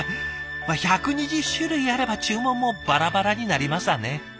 まあ１２０種類あれば注文もバラバラになりますわね。